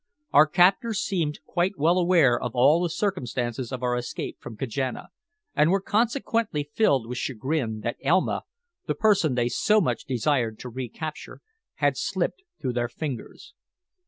Our captors seemed quite well aware of all the circumstances of our escape from Kajana, and were consequently filled with chagrin that Elma, the person they so much desired to recapture, had slipped through their fingers.